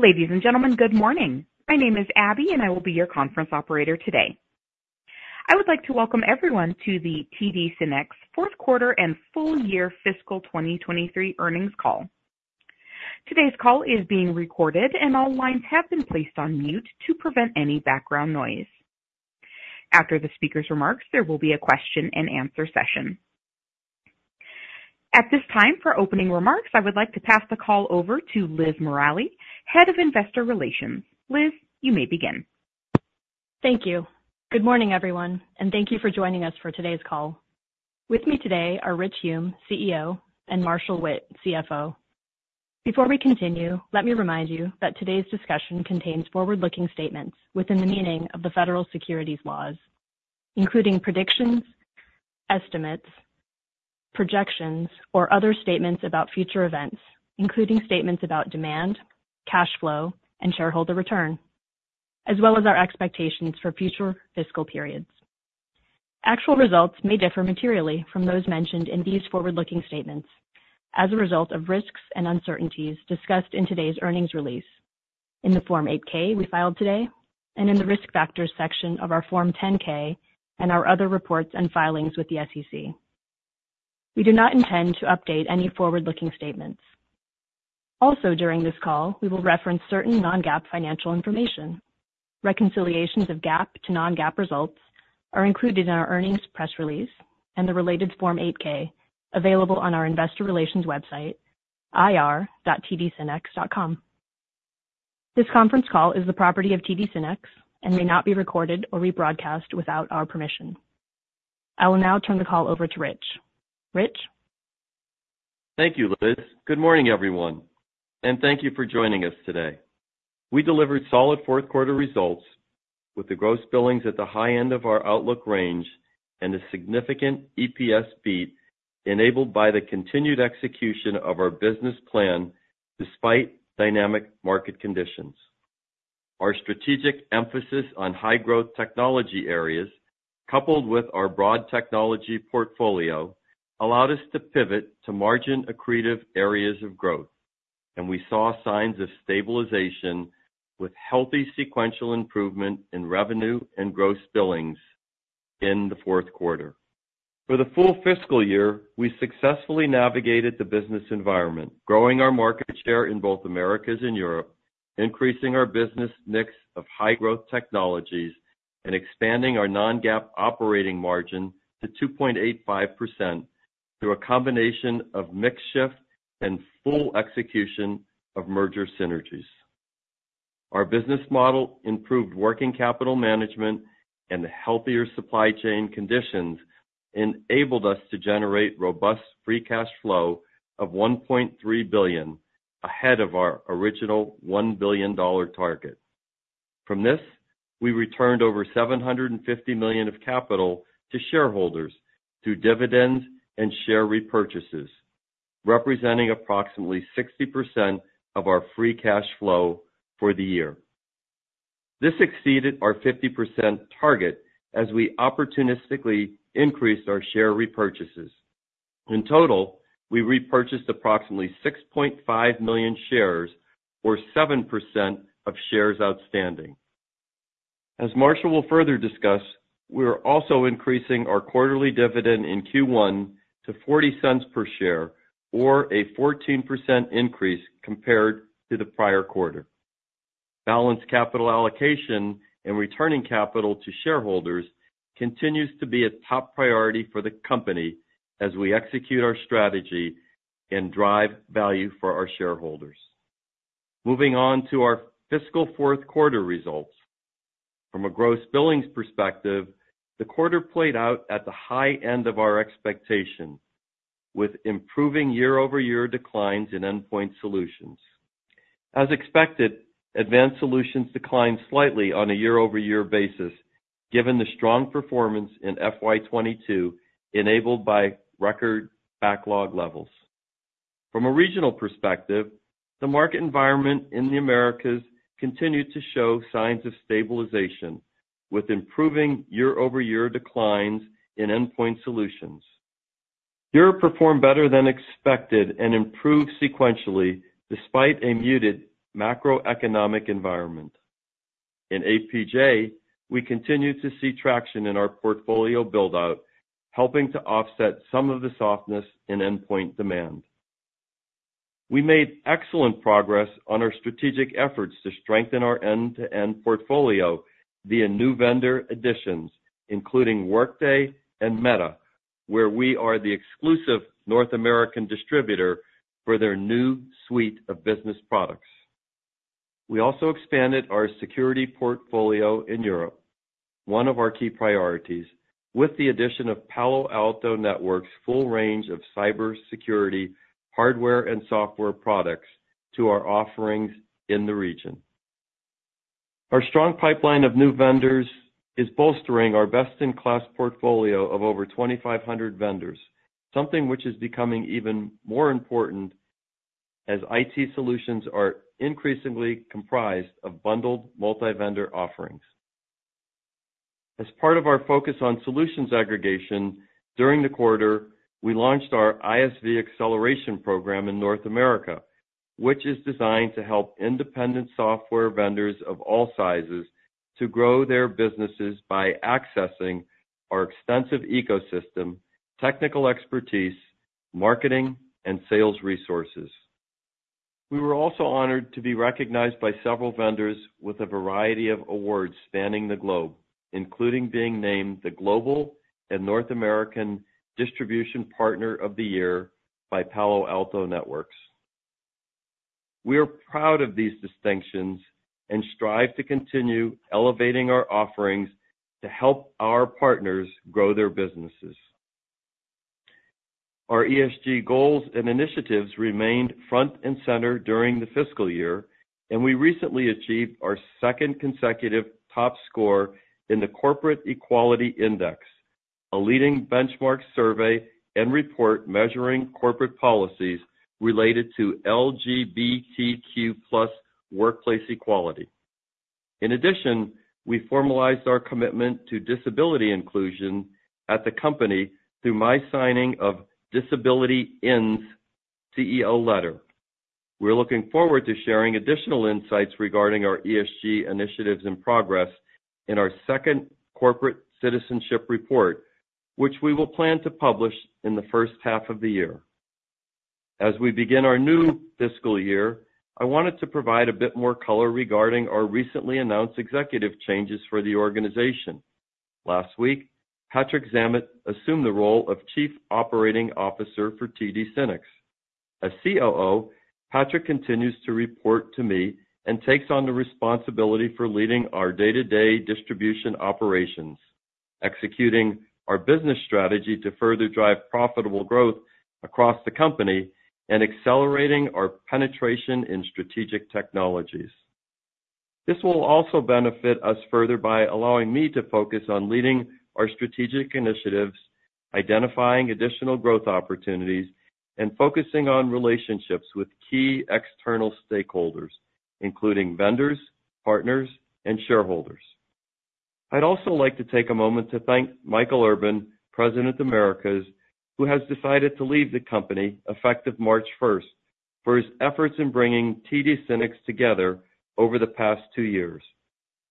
Ladies and gentlemen, good morning. My name is Abby, and I will be your conference operator today. I would like to welcome everyone to the TD SYNNEX fourth quarter and full year fiscal 2023 earnings call. Today's call is being recorded, and all lines have been placed on mute to prevent any background noise. After the speaker's remarks, there will be a question and answer session. At this time, for opening remarks, I would like to pass the call over to Liz Morali, Head of Investor Relations. Liz, you may begin. Thank you. Good morning, everyone, and thank you for joining us for today's call. With me today are Rich Hume, CEO, and Marshall Witt, CFO. Before we continue, let me remind you that today's discussion contains forward-looking statements within the meaning of the federal securities laws, including predictions, estimates, projections, or other statements about future events, including statements about demand, cash flow, and shareholder return, as well as our expectations for future fiscal periods. Actual results may differ materially from those mentioned in these forward-looking statements as a result of risks and uncertainties discussed in today's earnings release, in the Form 8-K we filed today, and in the Risk Factors section of our Form 10-K and our other reports and filings with the SEC. We do not intend to update any forward-looking statements. Also, during this call, we will reference certain non-GAAP financial information. Reconciliations of GAAP to non-GAAP results are included in our earnings press release and the related Form 8-K, available on our investor relations website, ir.tdsynnex.com. This conference call is the property of TD SYNNEX and may not be recorded or rebroadcast without our permission. I will now turn the call over to Rich. Rich? Thank you, Liz. Good morning, everyone, and thank you for joining us today. We delivered solid fourth quarter results with the gross billings at the high end of our outlook range and a significant EPS beat, enabled by the continued execution of our business plan despite dynamic market conditions. Our strategic emphasis on high-growth technology areas, coupled with our broad technology portfolio, allowed us to pivot to margin-accretive areas of growth, and we saw signs of stabilization with healthy sequential improvement in revenue and gross billings in the fourth quarter. For the full fiscal year, we successfully navigated the business environment, growing our market share in both Americas and Europe, increasing our business mix of high-growth technologies, and expanding our non-GAAP operating margin to 2.85% through a combination of mix shift and full execution of merger synergies. Our business model, improved working capital management, and healthier supply chain conditions enabled us to generate robust free cash flow of $1.3 billion, ahead of our original $1 billion target. From this, we returned over $750 million of capital to shareholders through dividends and share repurchases, representing approximately 60% of our free cash flow for the year. This exceeded our 50% target as we opportunistically increased our share repurchases. In total, we repurchased approximately 6.5 million shares or 7% of shares outstanding. As Marshall will further discuss, we are also increasing our quarterly dividend in Q1 to $0.40 per share, or a 14% increase compared to the prior quarter. Balanced capital allocation and returning capital to shareholders continues to be a top priority for the company as we execute our strategy and drive value for our shareholders. Moving on to our fiscal fourth quarter results. From a gross billings perspective, the quarter played out at the high end of our expectation, with improving year-over-year declines in Endpoint Solutions. As expected, Advanced Solutions declined slightly on a year-over-year basis, given the strong performance in FY 2022, enabled by record backlog levels. From a regional perspective, the market environment in the Americas continued to show signs of stabilization, with improving year-over-year declines in Endpoint Solutions. Europe performed better than expected and improved sequentially, despite a muted macroeconomic environment. In APJ, we continued to see traction in our portfolio build-out, helping to offset some of the softness in endpoint demand. We made excellent progress on our strategic efforts to strengthen our end-to-end portfolio via new vendor additions, including Workday and Meta, where we are the exclusive North American distributor for their new suite of business products. We also expanded our security portfolio in Europe, one of our key priorities, with the addition of Palo Alto Networks' full range of cybersecurity, hardware, and software products to our offerings in the region. Our strong pipeline of new vendors is bolstering our best-in-class portfolio of over 2,500 vendors, something which is becoming even more important as IT solutions are increasingly comprised of bundled multi-vendor offerings.... As part of our focus on solutions aggregation, during the quarter, we launched our ISV acceleration program in North America, which is designed to help independent software vendors of all sizes to grow their businesses by accessing our extensive ecosystem, technical expertise, marketing, and sales resources. We were also honored to be recognized by several vendors with a variety of awards spanning the globe, including being named the Global and North American Distribution Partner of the Year by Palo Alto Networks. We are proud of these distinctions and strive to continue elevating our offerings to help our partners grow their businesses. Our ESG goals and initiatives remained front and center during the fiscal year, and we recently achieved our second consecutive top score in the Corporate Equality Index, a leading benchmark survey and report measuring corporate policies related to LGBTQ+ workplace equality. In addition, we formalized our commitment to disability inclusion at the company through my signing of Disability:IN's CEO letter. We're looking forward to sharing additional insights regarding our ESG initiatives and progress in our second corporate citizenship report, which we will plan to publish in the first half of the year. As we begin our new fiscal year, I wanted to provide a bit more color regarding our recently announced executive changes for the organization. Last week, Patrick Zammit assumed the role of Chief Operating Officer for TD SYNNEX. As COO, Patrick continues to report to me and takes on the responsibility for leading our day-to-day distribution operations, executing our business strategy to further drive profitable growth across the company, and accelerating our penetration in strategic technologies. This will also benefit us further by allowing me to focus on leading our strategic initiatives, identifying additional growth opportunities, and focusing on relationships with key external stakeholders, including vendors, partners, and shareholders. I'd also like to take a moment to thank Michael Urban, President of Americas, who has decided to leave the company effective March first, for his efforts in bringing TD SYNNEX together over the past two years.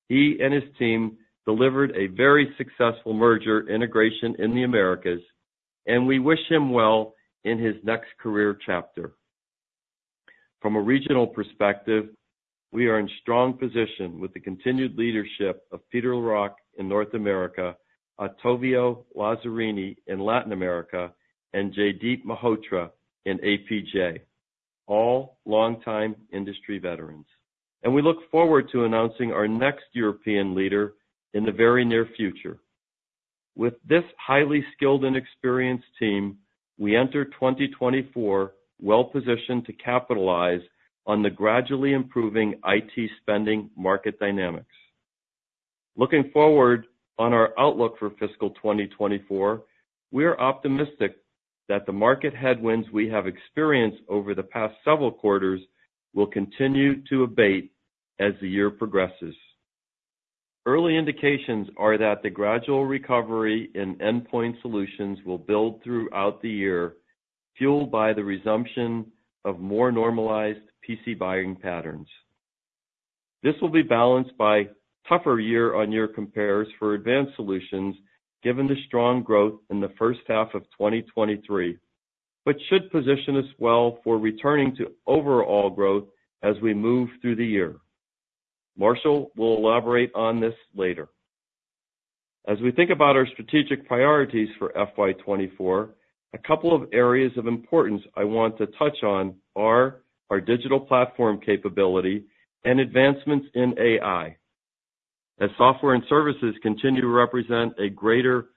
He and his team delivered a very successful merger integration in the Americas, and we wish him well in his next career chapter. From a regional perspective, we are in strong position with the continued leadership of Peter Larocque in North America, Otavio Lazarini in Latin America, and Jaideep Malhotra in APJ, all longtime industry veterans. We look forward to announcing our next European leader in the very near future. With this highly skilled and experienced team, we enter 2024 well positioned to capitalize on the gradually improving IT spending market dynamics. Looking forward on our outlook for fiscal 2024, we are optimistic that the market headwinds we have experienced over the past several quarters will continue to abate as the year progresses. Early indications are that the gradual recovery in endpoint solutions will build throughout the year, fueled by the resumption of more normalized PC buying patterns. This will be balanced by tougher year-on-year compares for advanced solutions, given the strong growth in the first half of 2023, but should position us well for returning to overall growth as we move through the year. Marshall will elaborate on this later. As we think about our strategic priorities for FY 2024, a couple of areas of importance I want to touch on are our digital platform capability and advancements in AI. As software and services continue to represent a greater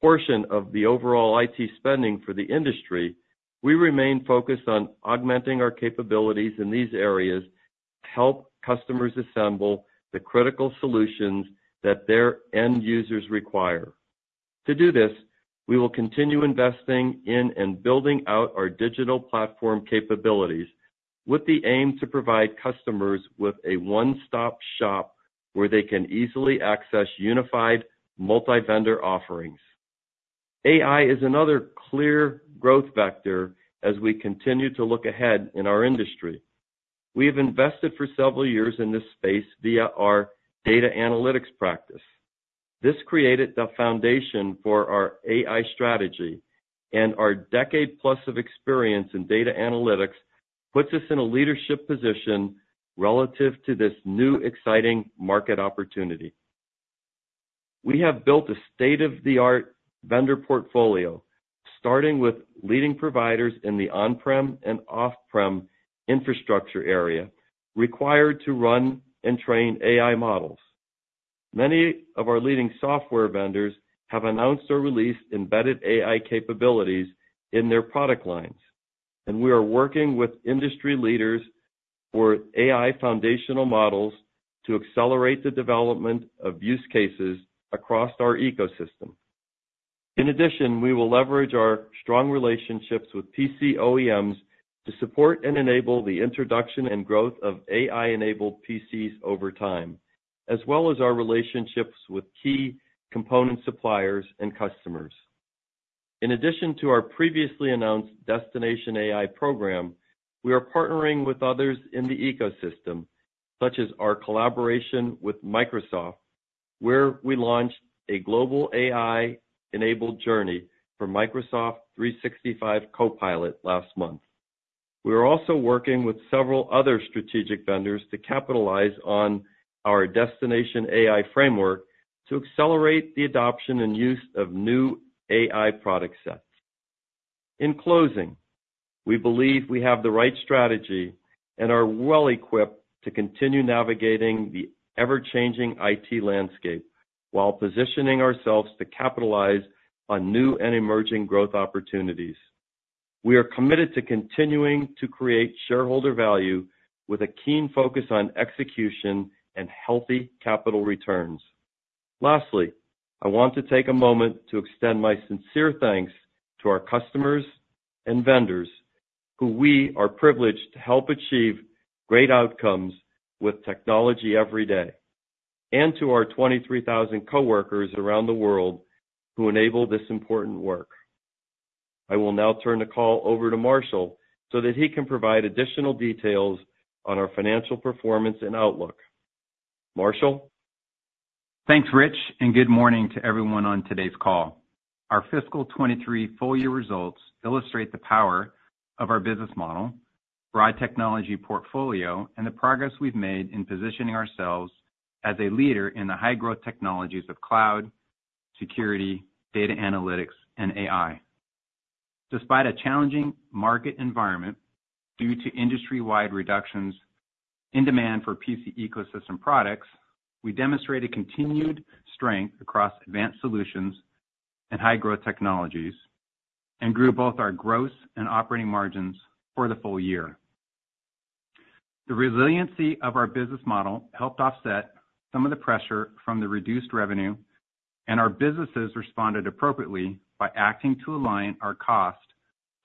portion of the overall IT spending for the industry, we remain focused on augmenting our capabilities in these areas to help customers assemble the critical solutions that their end users require. To do this, we will continue investing in and building out our digital platform capabilities with the aim to provide customers with a one-stop shop where they can easily access unified multi-vendor offerings. AI is another clear growth vector as we continue to look ahead in our industry. We have invested for several years in this space via our data analytics practice. This created the foundation for our AI strategy, and our decade plus of experience in data analytics puts us in a leadership position relative to this new, exciting market opportunity. We have built a state-of-the-art vendor portfolio, starting with leading providers in the on-prem and off-prem infrastructure area required to run and train AI models. Many of our leading software vendors have announced or released embedded AI capabilities in their product lines, and we are working with industry leaders for AI foundational models to accelerate the development of use cases across our ecosystem.... In addition, we will leverage our strong relationships with PC OEMs to support and enable the introduction and growth of AI-enabled PCs over time, as well as our relationships with key component suppliers and customers. In addition to our previously announced Destination AI program, we are partnering with others in the ecosystem, such as our collaboration with Microsoft, where we launched a global AI-enabled journey for Microsoft 365 Copilot last month. We are also working with several other strategic vendors to capitalize on our Destination AI framework to accelerate the adoption and use of new AI product sets. In closing, we believe we have the right strategy and are well equipped to continue navigating the ever-changing IT landscape while positioning ourselves to capitalize on new and emerging growth opportunities. We are committed to continuing to create shareholder value with a keen focus on execution and healthy capital returns. Lastly, I want to take a moment to extend my sincere thanks to our customers and vendors, who we are privileged to help achieve great outcomes with technology every day, and to our 23,000 coworkers around the world who enable this important work. I will now turn the call over to Marshall, so that he can provide additional details on our financial performance and outlook. Marshall? Thanks, Rich, and good morning to everyone on today's call. Our fiscal 2023 full year results illustrate the power of our business model, broad technology portfolio, and the progress we've made in positioning ourselves as a leader in the high-growth technologies of cloud, security, data analytics, and AI. Despite a challenging market environment due to industry-wide reductions in demand for PC ecosystem products, we demonstrated continued strength across advanced solutions and high-growth technologies, and grew both our gross and operating margins for the full year. The resiliency of our business model helped offset some of the pressure from the reduced revenue, and our businesses responded appropriately by acting to align our cost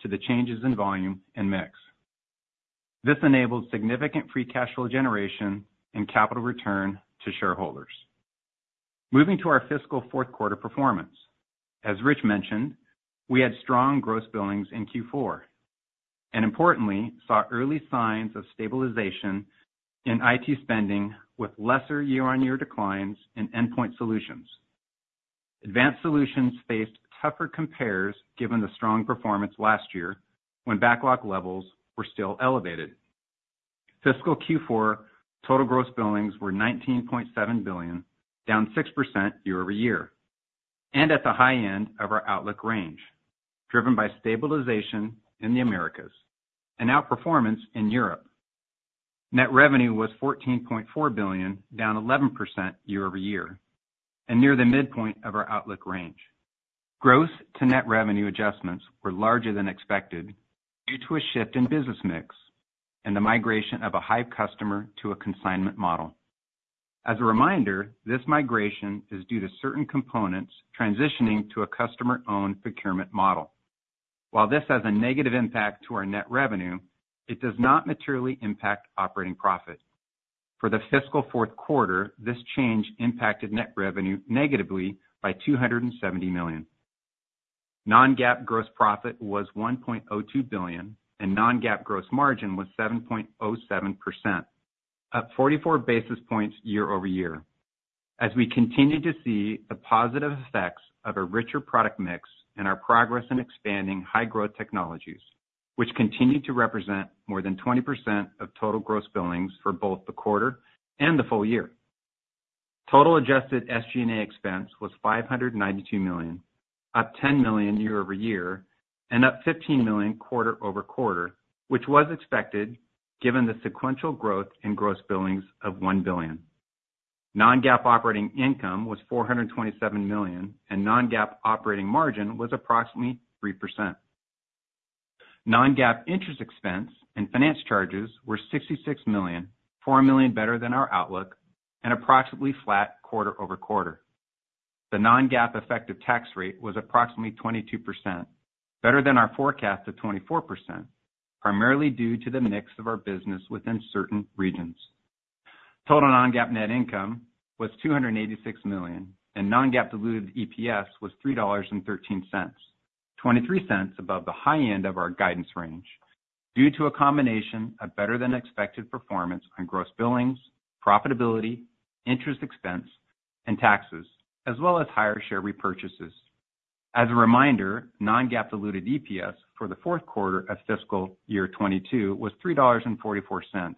to the changes in volume and mix. This enabled significant free cash flow generation and capital return to shareholders. Moving to our fiscal fourth quarter performance. As Rich mentioned, we had strong gross billings in Q4, and importantly, saw early signs of stabilization in IT spending with lesser year-over-year declines in Endpoint Solutions. Advanced Solutions faced tougher compares given the strong performance last year, when backlog levels were still elevated. Fiscal Q4 total gross billings were $19.7 billion, down 6% year-over-year, and at the high end of our outlook range, driven by stabilization in the Americas and outperformance in Europe. Net revenue was $14.4 billion, down 11% year-over-year, and near the midpoint of our outlook range. Gross to net revenue adjustments were larger than expected due to a shift in business mix and the migration of a Hyve customer to a consignment model. As a reminder, this migration is due to certain components transitioning to a customer-owned procurement model. While this has a negative impact to our net revenue, it does not materially impact operating profit. For the fiscal fourth quarter, this change impacted net revenue negatively by $270 million. Non-GAAP gross profit was $1.02 billion, and non-GAAP gross margin was 7.07%, up 44 basis points year-over-year. As we continue to see the positive effects of a richer product mix and our progress in expanding high-growth technologies, which continue to represent more than 20% of total gross billings for both the quarter and the full year. Total adjusted SG&A expense was $592 million, up $10 million year-over-year, and up $15 million quarter-over-quarter, which was expected given the sequential growth in gross billings of $1 billion. Non-GAAP operating income was $427 million, and non-GAAP operating margin was approximately 3%. Non-GAAP interest expense and finance charges were $66 million, $4 million better than our outlook, and approximately flat quarter-over-quarter. The non-GAAP effective tax rate was approximately 22%, better than our forecast of 24%, primarily due to the mix of our business within certain regions. Total non-GAAP net income was $286 million, and non-GAAP diluted EPS was $3.13, 23 cents above the high end of our guidance range, due to a combination of better-than-expected performance on gross billings, profitability, interest expense, and taxes, as well as higher share repurchases. As a reminder, non-GAAP diluted EPS for the fourth quarter of fiscal year 2022 was $3.44,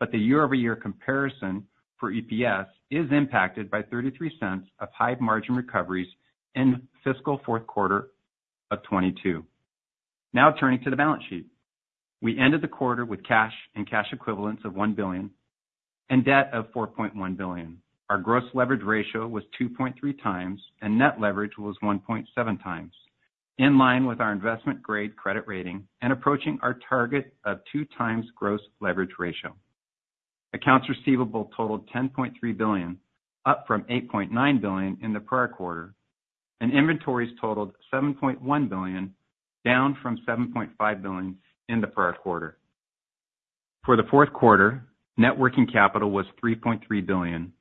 but the year-over-year comparison for EPS is impacted by $0.33 of high margin recoveries in fiscal fourth quarter of 2022. Now turning to the balance sheet. We ended the quarter with cash and cash equivalents of $1 billion and debt of $4.1 billion. Our gross leverage ratio was 2.3x, and net leverage was 1.7x, in line with our investment-grade credit rating and approaching our target of 2x gross leverage ratio. Accounts receivable totaled $10.3 billion, up from $8.9 billion in the prior quarter, and inventories totaled $7.1 billion, down from $7.5 billion in the prior quarter. For the fourth quarter, net working capital was $3.3 billion,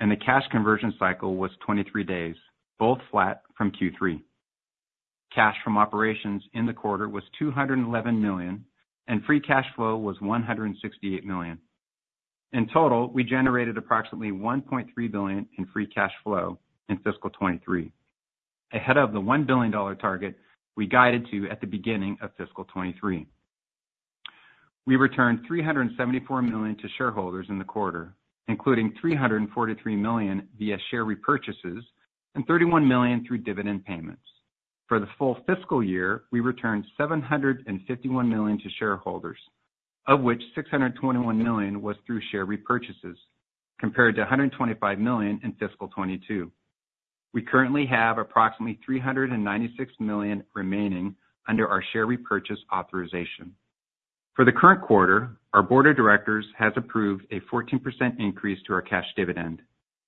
and the cash conversion cycle was 23 days, both flat from Q3. Cash from operations in the quarter was $211 million, and free cash flow was $168 million. In total, we generated approximately $1.3 billion in free cash flow in fiscal 2023, ahead of the $1 billion target we guided to at the beginning of fiscal 2023. We returned $374 million to shareholders in the quarter, including $343 million via share repurchases and $31 million through dividend payments. For the full fiscal year, we returned $751 million to shareholders, of which $621 million was through share repurchases, compared to $125 million in fiscal 2022. We currently have approximately $396 million remaining under our share repurchase authorization. For the current quarter, our board of directors has approved a 14% increase to our cash dividend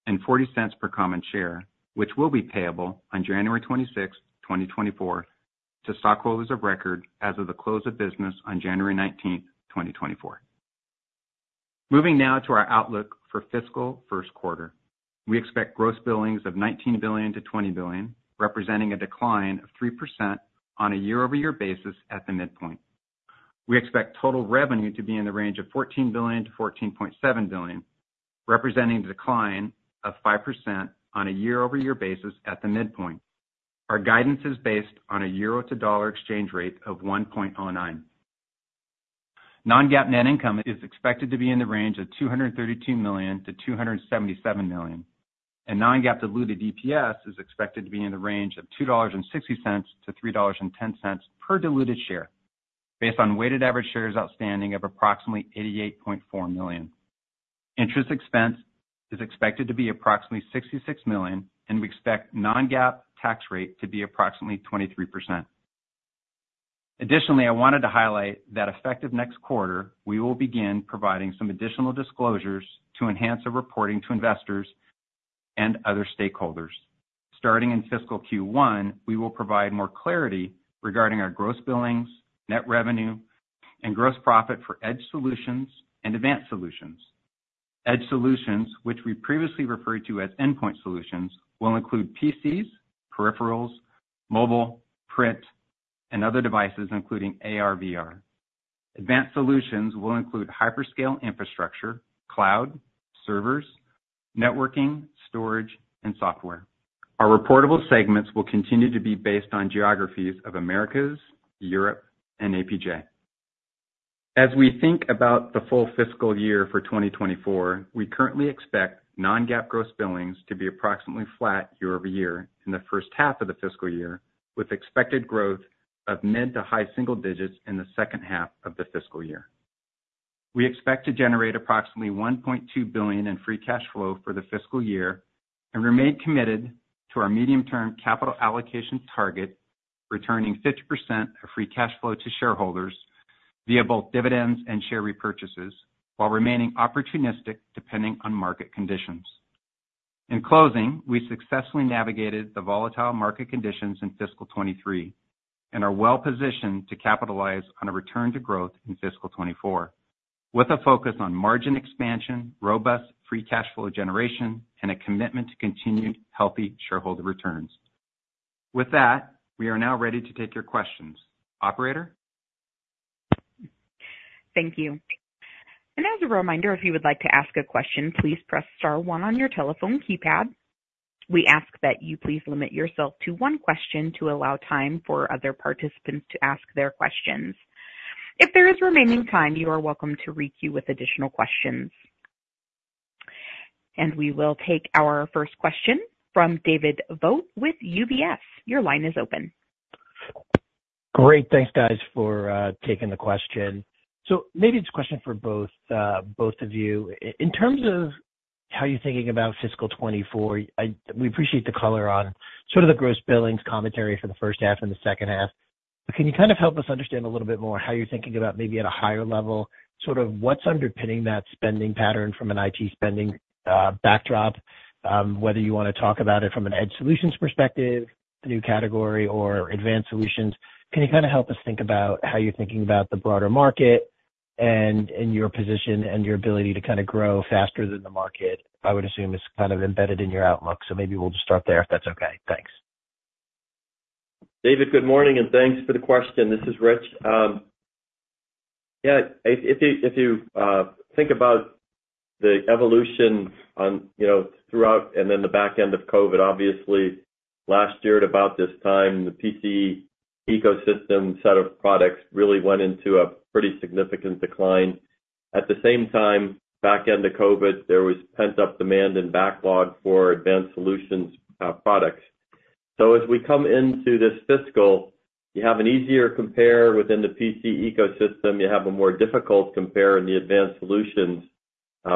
and $0.40 per common share, which will be payable on January 26, 2024, to stockholders of record as of the close of business on January 19, 2024. Moving now to our outlook for fiscal first quarter. We expect gross billings of $19 billion-$20 billion, representing a decline of 3% on a year-over-year basis at the midpoint. We expect total revenue to be in the range of $14 billion-$14.7 billion, representing a decline of 5% on a year-over-year basis at the midpoint. Our guidance is based on a euro to dollar exchange rate of 1.09. Non-GAAP net income is expected to be in the range of $232 million-$277 million, and non-GAAP diluted EPS is expected to be in the range of $2.60-$3.10 per diluted share, based on weighted average shares outstanding of approximately 88.4 million. Interest expense is expected to be approximately $66 million, and we expect non-GAAP tax rate to be approximately 23%. Additionally, I wanted to highlight that effective next quarter, we will begin providing some additional disclosures to enhance our reporting to investors and other stakeholders. Starting in fiscal Q1, we will provide more clarity regarding our gross billings, net revenue, and gross profit for Edge Solutions and Advanced Solutions. Edge Solutions, which we previously referred to as Endpoint Solutions, will include PCs, peripherals, mobile, print, and other devices, including AR/VR. Advanced Solutions will include hyperscale infrastructure, cloud, servers, networking, storage, and software. Our reportable segments will continue to be based on geographies of Americas, Europe, and APJ. As we think about the full fiscal year for 2024, we currently expect non-GAAP gross billings to be approximately flat year-over-year in the first half of the fiscal year, with expected growth of mid- to high-single-digits in the second half of the fiscal year. We expect to generate approximately $1.2 billion in free cash flow for the fiscal year and remain committed to our medium-term capital allocation target, returning 50% of free cash flow to shareholders via both dividends and share repurchases, while remaining opportunistic, depending on market conditions. In closing, we successfully navigated the volatile market conditions in fiscal 2023 and are well positioned to capitalize on a return to growth in fiscal 2024, with a focus on margin expansion, robust Free Cash Flow generation, and a commitment to continued healthy shareholder returns. With that, we are now ready to take your questions. Operator? Thank you. And as a reminder, if you would like to ask a question, please press star one on your telephone keypad. We ask that you please limit yourself to one question to allow time for other participants to ask their questions. If there is remaining time, you are welcome to requeue with additional questions. And we will take our first question from David Vogt with UBS. Your line is open. Great. Thanks, guys, for taking the question. So maybe it's a question for both, both of you. In terms of how you're thinking about fiscal 2024, we appreciate the color on sort of the Gross Billings commentary for the first half and the second half. But can you kind of help us understand a little bit more how you're thinking about maybe at a higher level, sort of what's underpinning that spending pattern from an IT spending backdrop? Whether you wanna talk about it from an Edge Solutions perspective, the new category, or Advanced Solutions, can you kind of help us think about how you're thinking about the broader market and your position and your ability to kind of grow faster than the market? I would assume it's kind of embedded in your outlook, so maybe we'll just start there, if that's okay. Thanks. David, good morning, and thanks for the question. This is Rich. Yeah, if you think about the evolution, you know, throughout and then the back end of COVID, obviously last year, at about this time, the PC ecosystem set of products really went into a pretty significant decline. At the same time, back end of COVID, there was pent-up demand and backlog for Advanced Solutions products. So as we come into this fiscal, you have an easier compare within the PC ecosystem. You have a more difficult compare in the Advanced Solutions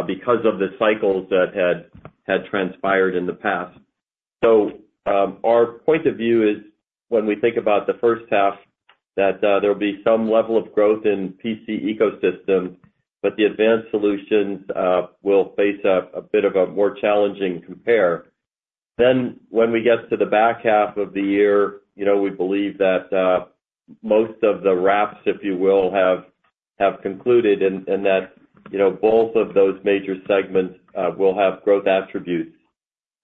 because of the cycles that had transpired in the past. So, our point of view is when we think about the first half, that there will be some level of growth in PC Ecosystem, but the Advanced Solutions will face a bit of a more challenging compare. Then when we get to the back half of the year, you know, we believe that most of the wraps, if you will, have concluded, and that, you know, both of those major segments will have growth attributes.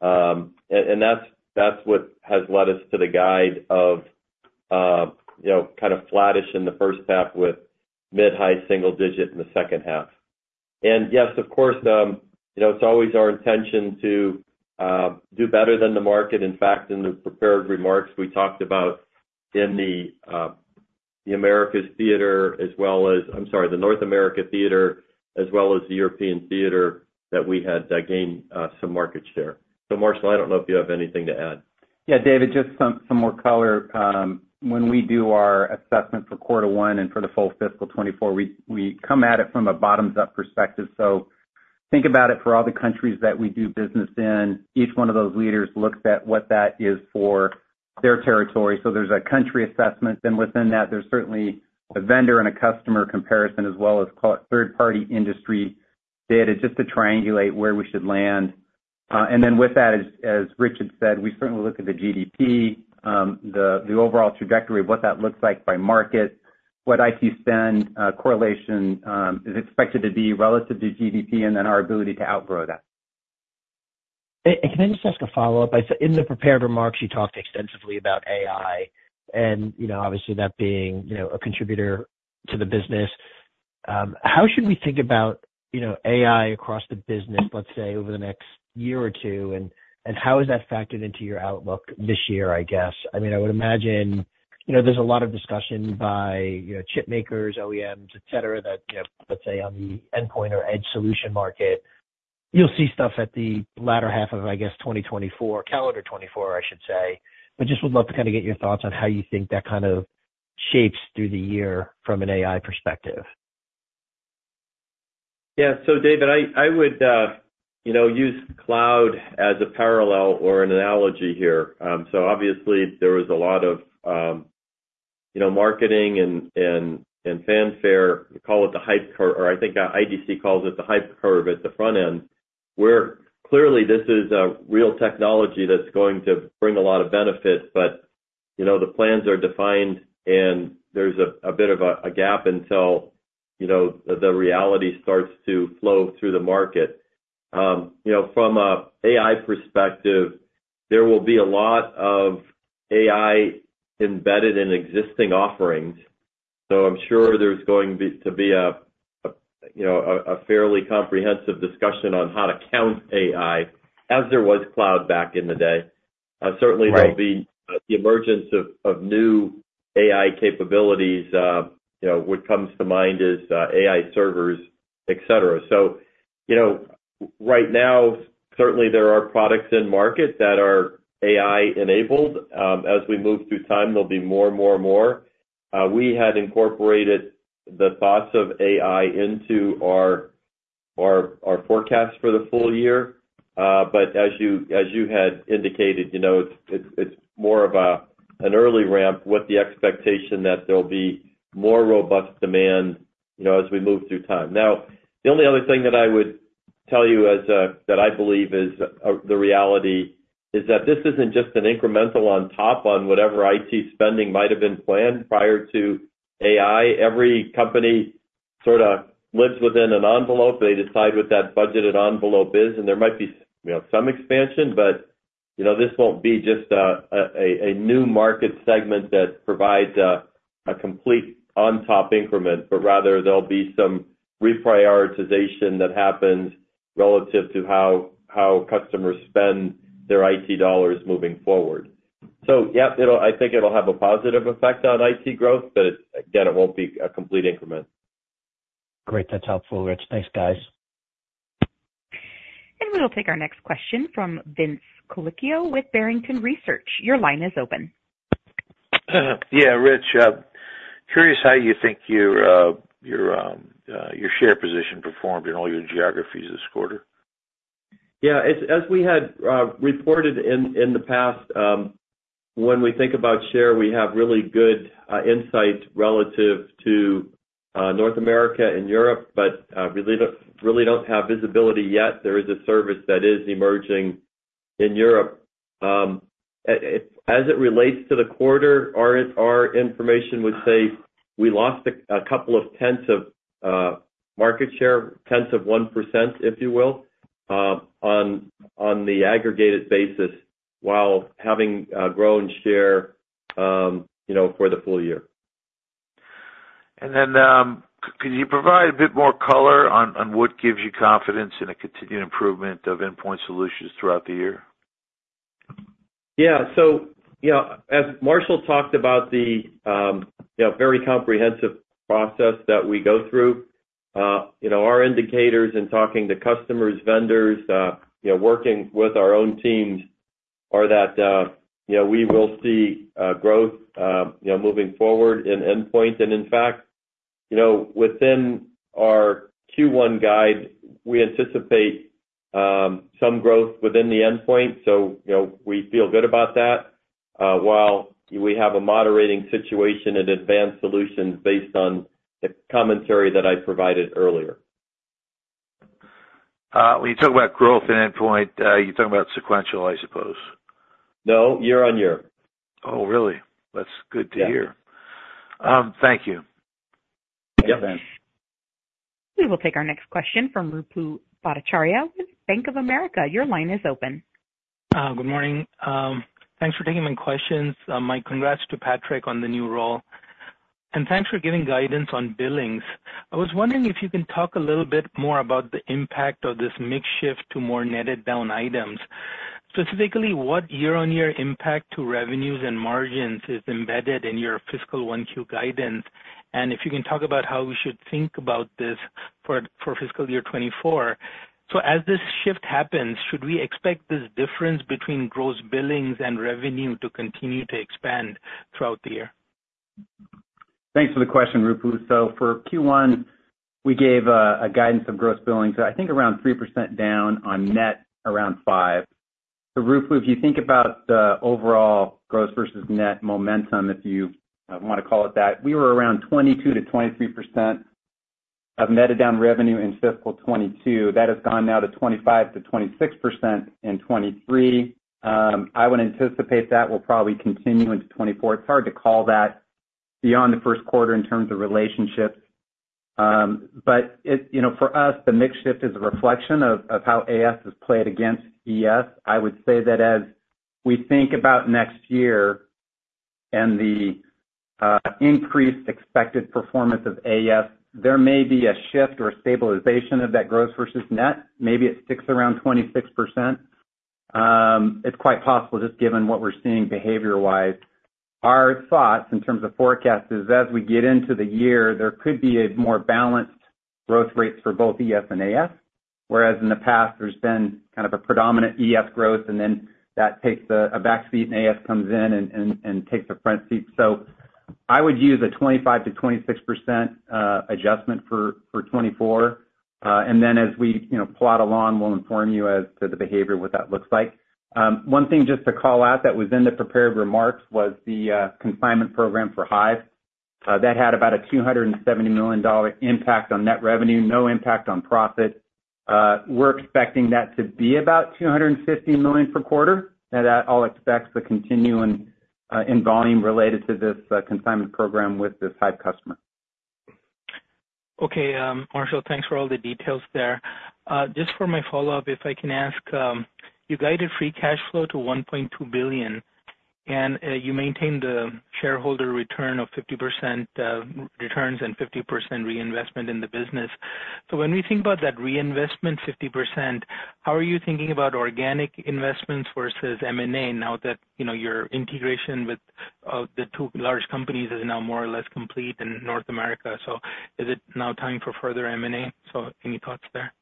And that's what has led us to the guide of, you know, kind of flattish in the first half with mid- to high-single-digit in the second half. And yes, of course, you know, it's always our intention to do better than the market. In fact, in the prepared remarks, we talked about the Americas theater as well as, I'm sorry, the North America theater, as well as the European theater, that we had gained some market share. So Marshall, I don't know if you have anything to add. Yeah, David, just some more color. When we do our assessment for quarter one and for the full fiscal 2024, we come at it from a bottoms-up perspective. So think about it for all the countries that we do business in, each one of those leaders looks at what that is for their territory. So there's a country assessment, then within that, there's certainly a vendor and a customer comparison, as well as part third-party industry data, just to triangulate where we should land. And then with that, as Richard said, we certainly look at the GDP, the overall trajectory of what that looks like by market, what IT spend correlation is expected to be relative to GDP, and then our ability to outgrow that. Hey, and can I just ask a follow-up? In the prepared remarks, you talked extensively about AI and, you know, obviously that being, you know, a contributor to the business. How should we think about, you know, AI across the business, let's say, over the next year or two? And, and how is that factored into your outlook this year, I guess? I mean, I would imagine, you know, there's a lot of discussion by, you know, chip makers, OEMs, et cetera, that, you know, let's say on the endpoint or edge solution market, you'll see stuff at the latter half of, I guess, 2024, calendar 2024, I should say. But just would love to kind of get your thoughts on how you think that kind of shapes through the year from an AI perspective. Yeah. So David, I would, you know, use cloud as a parallel or an analogy here. So obviously, there was a lot of, you know, marketing and fanfare, call it the hype cur-- or I think IDC calls it the hype curve at the front end, where clearly this is a real technology that's going to bring a lot of benefit, but, you know, the plans are defined and there's a bit of a gap until, you know, the reality starts to flow through the market. You know, from a AI perspective, there will be a lot of AI embedded in existing offerings, so I'm sure there's going to be a, you know, a fairly comprehensive discussion on how to count AI, as there was cloud back in the day. Right. Certainly there'll be the emergence of new AI capabilities. You know, what comes to mind is AI servers, et cetera. So, you know, right now, certainly there are products in market that are AI-enabled. As we move through time, there'll be more and more and more. We had incorporated the thoughts of AI into our forecast for the full year. But as you had indicated, you know, it's more of an early ramp with the expectation that there'll be more robust demand, you know, as we move through time. Now, the only other thing that I would tell you that I believe is the reality is that this isn't just an incremental on top on whatever IT spending might have been planned prior to AI. Every company sort of lives within an envelope. They decide what that budgeted envelope is, and there might be, you know, some expansion, but, you know, this won't be just a new market segment that provides a complete on-top increment, but rather there'll be some reprioritization that happens relative to how customers spend their IT dollars moving forward. So yeah, it'll... I think it'll have a positive effect on IT growth, but again, it won't be a complete increment. Great. That's helpful, Rich. Thanks, guys. We'll take our next question from Vince Colicchio with Barrington Research. Your line is open. Yeah, Rich, curious how you think your share position performed in all your geographies this quarter? Yeah, as we had reported in the past, when we think about share, we have really good insight relative to North America and Europe, but really don't, really don't have visibility yet. There is a service that is emerging in Europe. As it relates to the quarter, our information would say we lost a couple of tenths of market share, tenths of 1%, if you will, on the aggregated basis, while having grown share, you know, for the full year. Could you provide a bit more color on what gives you confidence in a continued improvement of Endpoint Solutions throughout the year? Yeah. So, you know, as Marshall talked about the, you know, very comprehensive process that we go through, you know, our indicators in talking to customers, vendors, you know, working with our own teams are that, you know, we will see, growth, you know, moving forward in Endpoint. And in fact, you know, within our Q1 guide, we anticipate, some growth within the Endpoint. So, you know, we feel good about that, while we have a moderating situation in Advanced Solutions based on the commentary that I provided earlier. When you talk about growth in Endpoint, you're talking about sequential, I suppose? No, year-on-year. Oh, really? That's good to hear. Yeah. Thank you. Yep. We will take our next question from Ruplu Bhattacharya with Bank of America. Your line is open. Good morning. Thanks for taking my questions. My congrats to Patrick on the new role, and thanks for giving guidance on billings. I was wondering if you can talk a little bit more about the impact of this mix shift to more netted down items. Specifically, what year-on-year impact to revenues and margins is embedded in your fiscal 1Q guidance? And if you can talk about how we should think about this for fiscal year 2024. So as this shift happens, should we expect this difference between gross billings and revenue to continue to expand throughout the year? Thanks for the question, Ruplu. So for Q1, we gave a guidance of gross billings, I think around 3% down on net, around 5%. So Ruplu, if you think about the overall gross versus net momentum, if you want to call it that, we were around 22%-23% of netted down revenue in fiscal 2022. That has gone now to 25%-26% in 2023. I would anticipate that will probably continue into 2024. It's hard to call that beyond the first quarter in terms of relationships. But you know, for us, the mix shift is a reflection of how AS is played against ES. I would say that as we think about next year and the increased expected performance of AS, there may be a shift or a stabilization of that growth versus net. Maybe it sticks around 26%. It's quite possible, just given what we're seeing behavior-wise. Our thoughts in terms of forecast is, as we get into the year, there could be a more balanced growth rates for both ES and AS, whereas in the past, there's been kind of a predominant ES growth, and then that takes a back seat, and AS comes in and takes a front seat. So I would use a 25%-26% adjustment for 2024. And then as we, you know, plot along, we'll inform you as to the behavior, what that looks like. One thing just to call out that was in the prepared remarks was the consignment program for Hyve. That had about a $270 million impact on net revenue, no impact on profit. We're expecting that to be about $250 million per quarter, and that all expects the continuum in volume related to this consignment program with this Hyve customer. Okay, Marshall, thanks for all the details there. Just for my follow-up, if I can ask, you guided free cash flow to $1.2 billion, and you maintained the shareholder return of 50%, returns, and 50% reinvestment in the business. So when we think about that reinvestment, 50%, how are you thinking about organic investments versus M&A now that, you know, your integration with the two large companies is now more or less complete in North America? So is it now time for further M&A? So any thoughts there?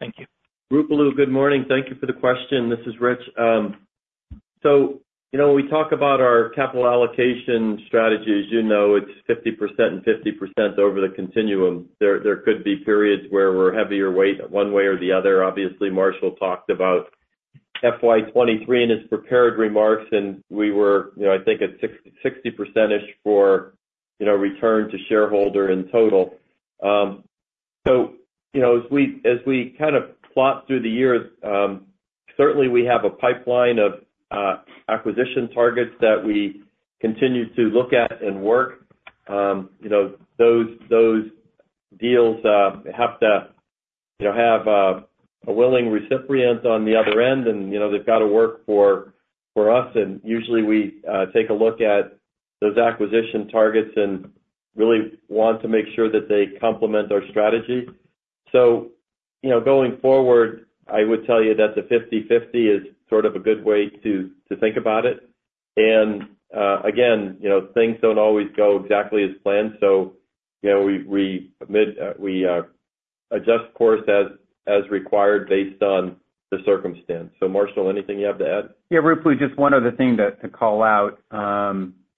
Thank you. Ruplu, good morning. Thank you for the question. This is Rich. So you know, when we talk about our capital allocation strategy, as you know, it's 50% and 50% over the continuum. There could be periods where we're heavier weight one way or the other. Obviously, Marshall talked about FY 2023 in his prepared remarks, and we were, you know, I think, at 60%-ish for, you know, return to shareholder in total. So you know, as we kind of plot through the years, certainly we have a pipeline of acquisition targets that we continue to look at and work. You know, those deals have to, you know, have a willing recipient on the other end, and, you know, they've got to work for us. Usually, we take a look at those acquisition targets and really want to make sure that they complement our strategy. You know, going forward, I would tell you that the 50/50 is sort of a good way to think about it. Again, you know, things don't always go exactly as planned, so, you know, we admit we adjust course as required based on the circumstance. Marshall, anything you have to add? Yeah, Ruplu, just one other thing to, to call out.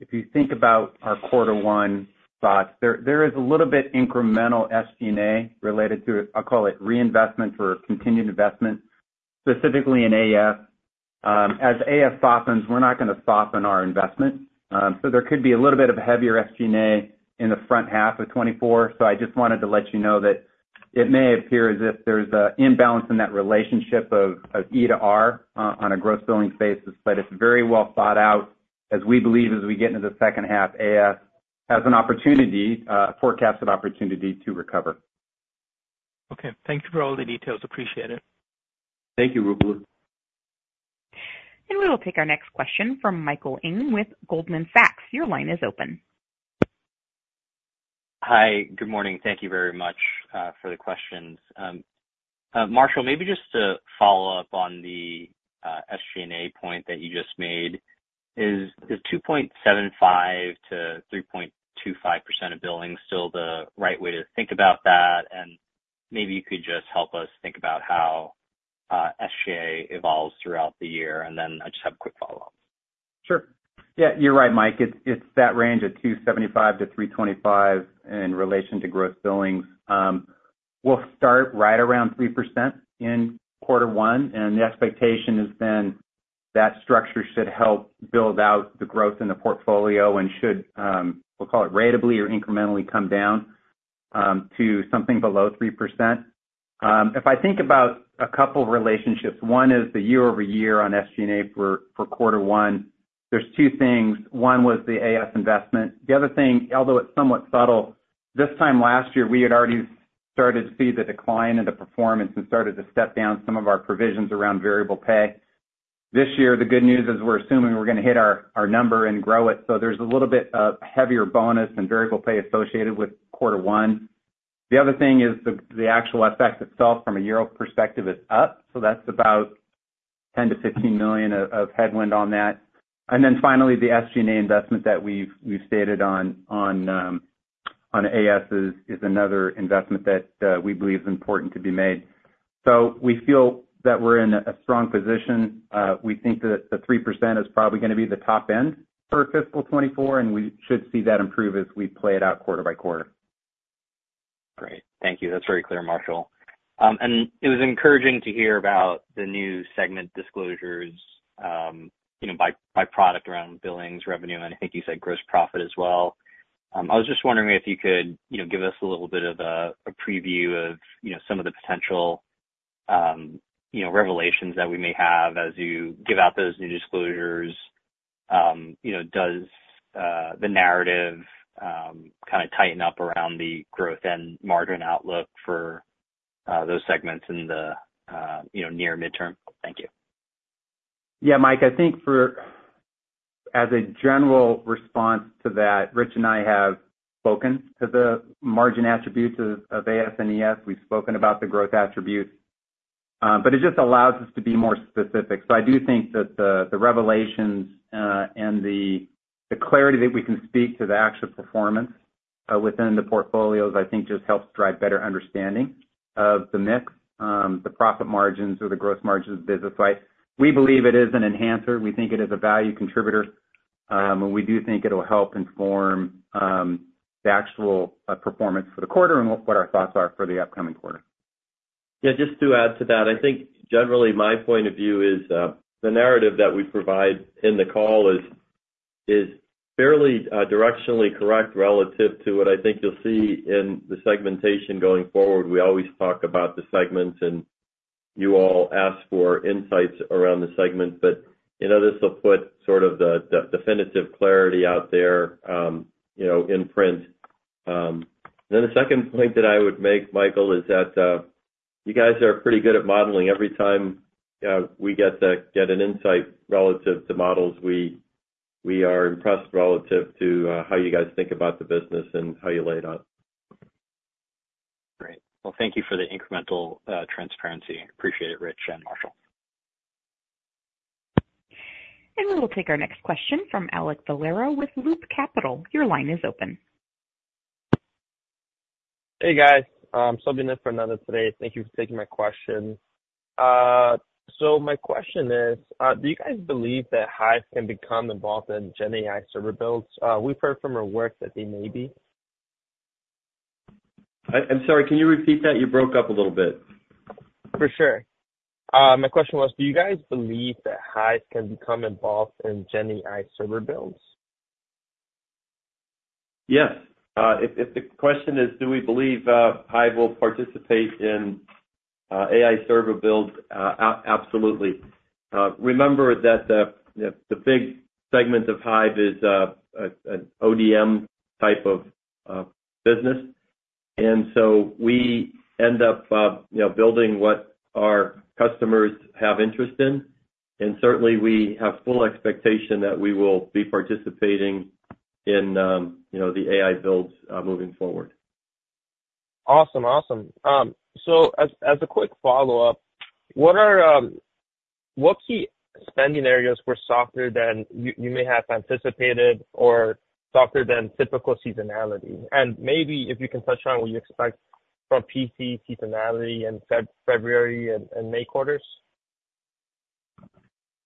If you think about our quarter one thoughts, there, there is a little bit incremental SG&A related to, I'll call it, reinvestment for continued investment, specifically in AS. As AS softens, we're not gonna soften our investment. So there could be a little bit of a heavier SG&A in the front half of 2024. So I just wanted to let you know that it may appear as if there's a imbalance in that relationship of, of E to R, on a gross billings basis, but it's very well thought out. As we believe, as we get into the second half, AS has an opportunity, forecasted opportunity to recover. Okay. Thank you for all the details. Appreciate it. Thank you, Ruplu. We will take our next question from Michael Ng with Goldman Sachs. Your line is open. Hi, good morning. Thank you very much for the questions. Marshall, maybe just to follow up on the SG&A point that you just made, is 2.75%-3.25% of billings still the right way to think about that? And maybe you could just help us think about how SG&A evolves throughout the year. And then I just have a quick follow-up.... Sure. Yeah, you're right, Mike. It's that range of $275-$325 in relation to Gross Billings. We'll start right around 3% in quarter one, and the expectation is then that structure should help build out the growth in the portfolio and should, we'll call it, ratably or incrementally come down to something below 3%. If I think about a couple relationships, one is the year-over-year on SG&A for quarter one, there's two things: One was the AS investment. The other thing, although it's somewhat subtle, this time last year, we had already started to see the decline in the performance and started to step down some of our provisions around variable pay. This year, the good news is we're assuming we're gonna hit our number and grow it, so there's a little bit of heavier bonus and variable pay associated with quarter one. The other thing is the actual effect itself from a year-over-year perspective is up, so that's about $10 million-$15 million of headwind on that. Then finally, the SG&A investment that we've stated on AS is another investment that we believe is important to be made. So we feel that we're in a strong position. We think that the 3% is probably gonna be the top end for fiscal 2024, and we should see that improve as we play it out quarter by quarter. Great. Thank you. That's very clear, Marshall. And it was encouraging to hear about the new segment disclosures, you know, by, by product around billings, revenue, and I think you said gross profit as well. I was just wondering if you could, you know, give us a little bit of a, a preview of, you know, some of the potential, you know, revelations that we may have as you give out those new disclosures. You know, does, the narrative, kind of tighten up around the growth and margin outlook for, those segments in the, you know, near midterm? Thank you. Yeah, Mike, I think, as a general response to that, Rich and I have spoken to the margin attributes of AS and ES. We've spoken about the growth attributes, but it just allows us to be more specific. So I do think that the revelations and the clarity that we can speak to the actual performance within the portfolios, I think just helps drive better understanding of the mix, the profit margins or the gross margins business-wise. We believe it is an enhancer. We think it is a value contributor, and we do think it'll help inform the actual performance for the quarter and what our thoughts are for the upcoming quarter. Yeah, just to add to that, I think generally my point of view is, the narrative that we provide in the call is, is fairly, directionally correct relative to what I think you'll see in the segmentation going forward. We always talk about the segments, and you all ask for insights around the segments, but, you know, this will put sort of the, the definitive clarity out there, you know, in print. Then the second point that I would make, Michael, is that, you guys are pretty good at modeling. Every time, we get to get an insight relative to models, we, we are impressed relative to, how you guys think about the business and how you lay it out. Great. Well, thank you for the incremental transparency. Appreciate it, Rich and Marshall. We will take our next question from Alex Valero with Loop Capital. Your line is open. Hey, guys. On behalf of Ananda today. Thank you for taking my question. So my question is, do you guys believe that Hyve can become involved in GenAI server builds? We've heard from reports that they may be. I'm sorry, can you repeat that? You broke up a little bit. For sure. My question was, do you guys believe that Hyve can become involved in GenAI server builds? Yes. If the question is, do we believe Hyve will participate in AI server builds? Absolutely. Remember that the big segment of Hyve is an ODM type of business, and so we end up, you know, building what our customers have interest in. And certainly, we have full expectation that we will be participating in, you know, the AI builds moving forward. Awesome, awesome. So as a quick follow-up, what key spending areas were softer than you may have anticipated or softer than typical seasonality? And maybe if you can touch on what you expect from PC seasonality in February and May quarters.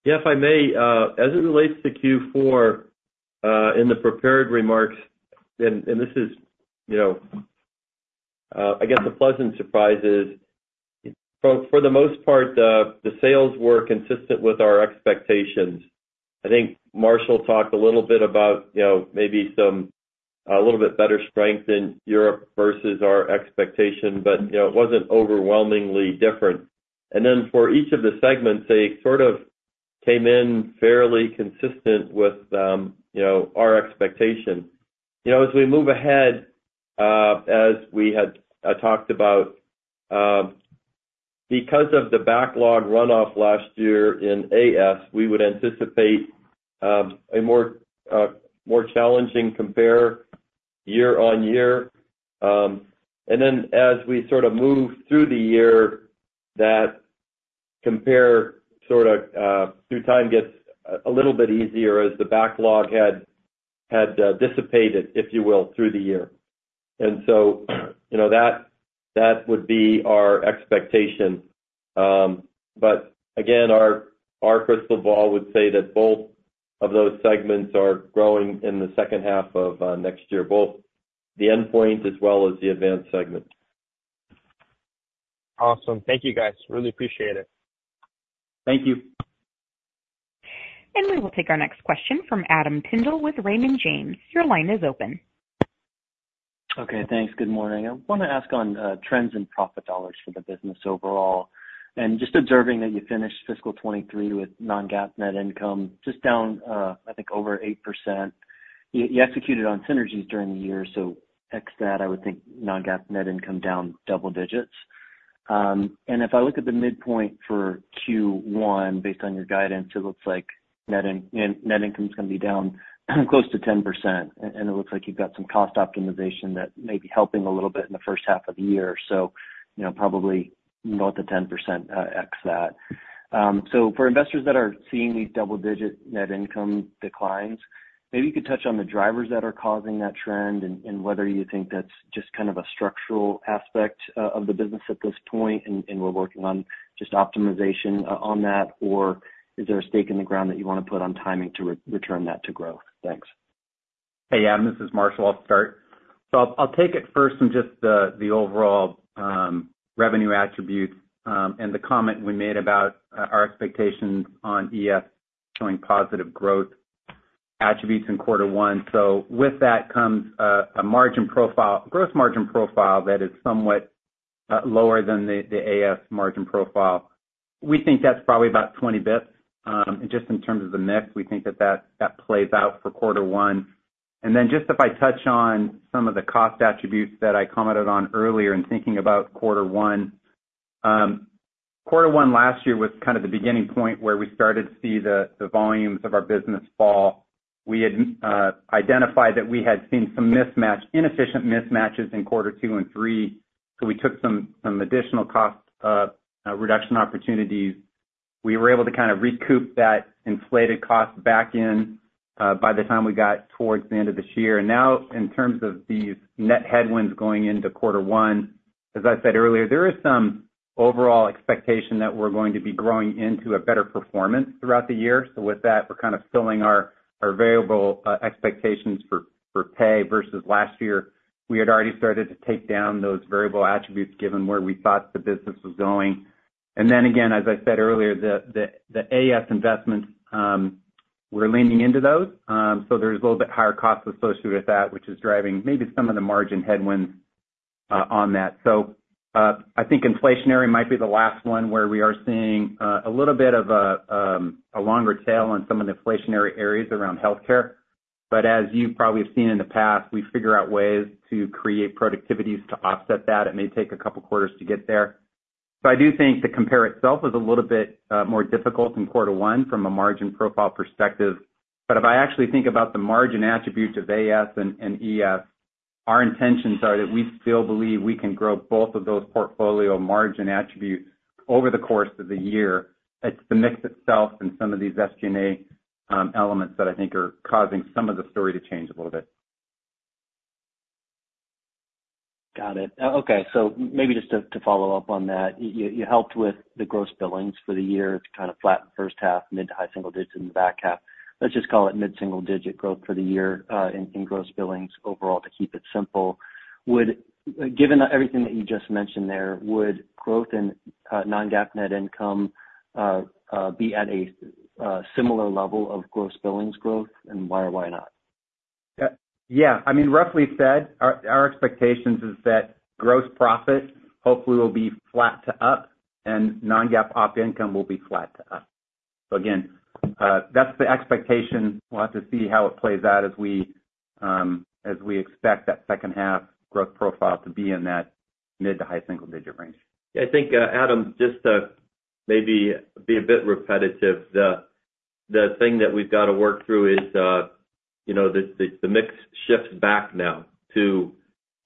Yeah, if I may, as it relates to Q4, in the prepared remarks, and this is, you know, I guess a pleasant surprise, is for the most part, the sales were consistent with our expectations. I think Marshall talked a little bit about, you know, maybe some a little bit better strength in Europe versus our expectation, but, you know, it wasn't overwhelmingly different. And then for each of the segments, they sort of came in fairly consistent with, you know, our expectation. You know, as we move ahead, as we had talked about, because of the backlog runoff last year in AS, we would anticipate a more challenging compare year-on-year. And then as we sort of move through the year, that compare sort of through time gets a little bit easier as the backlog had dissipated, if you will, through the year. So, you know, that would be our expectation. But again, our crystal ball would say that both of those segments are growing in the second half of next year, both the Endpoint as well as the Advanced segment. Awesome. Thank you, guys. Really appreciate it. Thank you. We will take our next question from Adam Tindall with Raymond James. Your line is open. Okay, thanks. Good morning. I want to ask on trends in profit dollars for the business overall, and just observing that you finished fiscal 2023 with non-GAAP net income, just down, I think over 8%. You executed on synergies during the year, so ex that, I would think non-GAAP net income down double digits. And if I look at the midpoint for Q1, based on your guidance, it looks like net income is gonna be down, close to 10%. And it looks like you've got some cost optimization that may be helping a little bit in the first half of the year. So, you know, probably about the 10%, ex that. So for investors that are seeing these double-digit net income declines, maybe you could touch on the drivers that are causing that trend and whether you think that's just kind of a structural aspect of the business at this point, and we're working on just optimization on that? Or is there a stake in the ground that you wanna put on timing to re-return that to growth? Thanks. Hey, Adam, this is Marshall. I'll start. So I'll take it first in just the overall revenue attributes, and the comment we made about our expectations on EF showing positive growth attributes in quarter one. So with that comes a margin profile, gross margin profile that is somewhat lower than the AS margin profile. We think that's probably about 20 basis points. And just in terms of the mix, we think that plays out for quarter one. And then just if I touch on some of the cost attributes that I commented on earlier in thinking about quarter one. Quarter one last year was kind of the beginning point where we started to see the volumes of our business fall. We had identified that we had seen some mismatch, inefficient mismatches in quarter two and three, so we took some additional cost reduction opportunities. We were able to kind of recoup that inflated cost back in by the time we got towards the end of this year. And now, in terms of these net headwinds going into quarter one, as I said earlier, there is some overall expectation that we're going to be growing into a better performance throughout the year. So with that, we're kind of filling our variable expectations for pay versus last year. We had already started to take down those variable attributes, given where we thought the business was going. And then again, as I said earlier, the AS investments, we're leaning into those. So there's a little bit higher cost associated with that, which is driving maybe some of the margin headwinds on that. So I think inflationary might be the last one, where we are seeing a little bit of a longer tail on some of the inflationary areas around healthcare. But as you probably have seen in the past, we figure out ways to create productivities to offset that. It may take a couple quarters to get there. So I do think the compare itself is a little bit more difficult in quarter one from a margin profile perspective. But if I actually think about the margin attributes of AS and ES, our intentions are that we still believe we can grow both of those portfolio margin attributes over the course of the year. It's the mix itself and some of these SG&A elements that I think are causing some of the story to change a little bit. Got it. Okay, so maybe just to follow up on that. You helped with the gross billings for the year. It's kind of flat in first half, mid- to high-single digits in the back half. Let's just call it mid-single-digit growth for the year, in gross billings overall, to keep it simple. Given everything that you just mentioned there, would growth in non-GAAP net income be at a similar level of gross billings growth, and why or why not? Yeah. I mean, roughly said, our, our expectations is that gross profit hopefully will be flat to up and non-GAAP op income will be flat to up. So again, that's the expectation. We'll have to see how it plays out as we, as we expect that second half growth profile to be in that mid to high single-digit range. Yeah, I think, Adam, just to maybe be a bit repetitive, the thing that we've got to work through is, you know, the mix shifts back now to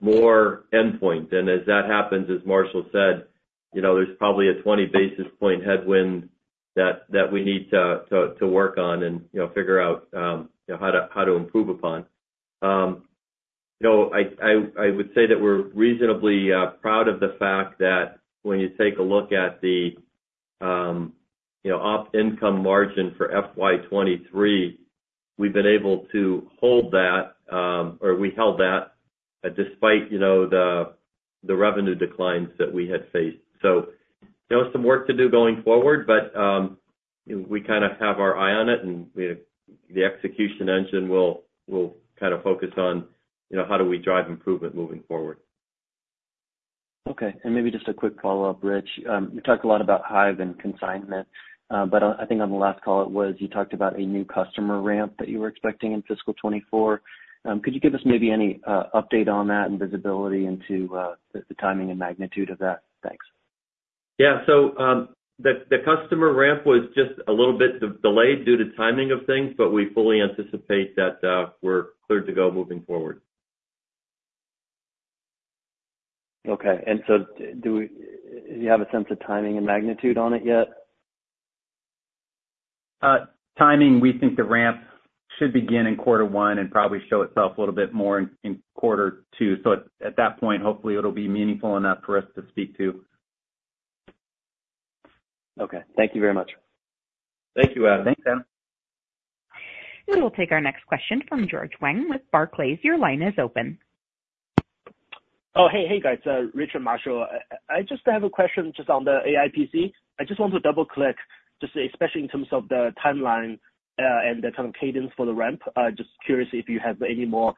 more endpoint. And as that happens, as Marshall said, you know, there's probably a 20 basis point headwind that we need to work on and, you know, figure out, you know, how to improve upon. You know, I would say that we're reasonably proud of the fact that when you take a look at the, you know, op income margin for FY 2023, we've been able to hold that, or we held that, despite, you know, the revenue declines that we had faced. You know, some work to do going forward, but we kind of have our eye on it, and we have... The execution engine will kind of focus on, you know, how do we drive improvement moving forward. Okay, and maybe just a quick follow-up, Rich. You talked a lot about Hyve and consignment, but I think on the last call, it was you talked about a new customer ramp that you were expecting in fiscal 2024. Could you give us maybe any update on that and visibility into the timing and magnitude of that? Thanks. Yeah. So, the customer ramp was just a little bit delayed due to timing of things, but we fully anticipate that we're clear to go moving forward. Okay. And so do you have a sense of timing and magnitude on it yet? ... timing, we think the ramp should begin in quarter one and probably show itself a little bit more in quarter two. So at that point, hopefully it'll be meaningful enough for us to speak to. Okay. Thank you very much. Thank you, Adam. Thanks, Adam. We will take our next question from George Wang with Barclays. Your line is open. Oh, hey, hey, guys, Rich, Marshall. I just have a question just on the AI PC. I just want to double-click, just especially in terms of the timeline, and the kind of cadence for the ramp. I just curious if you have any more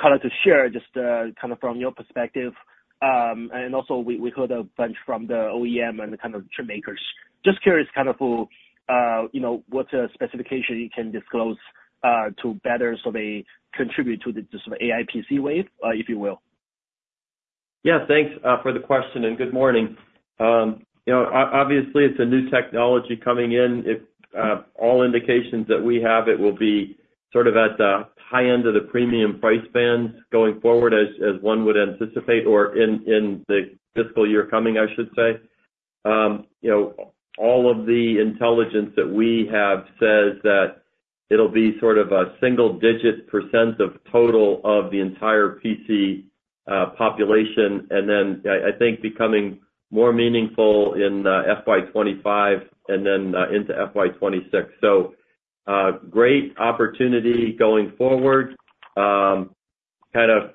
color to share, just, kind of from your perspective. And also we, we heard a bunch from the OEM and the kind of chip makers. Just curious, kind of for, you know, what, specification you can disclose, to better, so they contribute to the sort of AI PC wave, if you will. Yeah, thanks for the question, and good morning. You know, obviously, it's a new technology coming in. It, all indications that we have, it will be sort of at the high end of the premium price band going forward, as one would anticipate, or in the fiscal year coming, I should say. You know, all of the intelligence that we have says that it'll be sort of a single-digit % of total of the entire PC population, and then I think becoming more meaningful in FY 25 and then into FY 26. So, great opportunity going forward. Kind of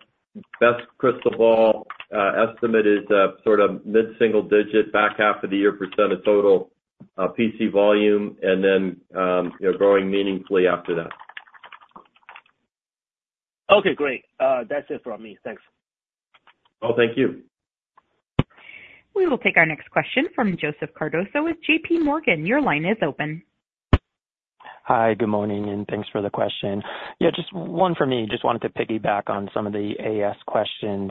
best crystal ball estimate is sort of mid-single-digit, back half of the year, % of total PC volume, and then, you know, growing meaningfully after that. Okay, great. That's it from me. Thanks. Well, thank you. We will take our next question from Joseph Cardoso with J.P. Morgan. Your line is open. Hi, good morning, and thanks for the question. Yeah, just one for me. Just wanted to piggyback on some of the AS questions.